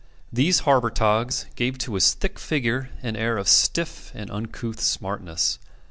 These harbour togs gave to his thick figure an air of stiff and uncouth smartness.